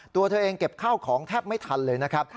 ตัวเธอเองเก็บข้าวของแทบไม่ทันเลยนะครับ